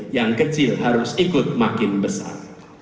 yang kecil harus ikut makin besar